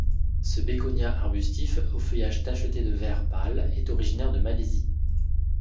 Ce bégonia arbustif, au feuillage tacheté de vert pâle, est originaire de Malaisie.